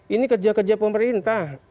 ini kerja kerja pemerintah